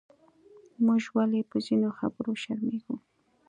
موږ ولې پۀ ځینو خبرو شرمېږو؟